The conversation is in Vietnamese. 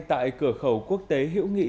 tại cửa khẩu quốc tế hữu nghị